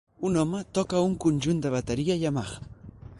Un home toca un conjunt de bateria Yamaha.